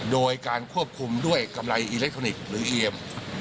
โดยการควบคุมด้วยกำไรอิเล็กทรอนิกส์หรือเอียม